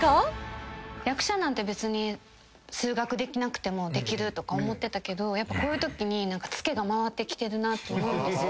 役者なんて別に数学できなくてもできるとか思ってたけどやっぱこういうときにつけが回ってきてるなと思う。